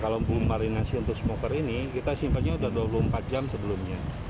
kalau belum marinasi untuk smoker ini kita simpannya sudah dua puluh empat jam sebelumnya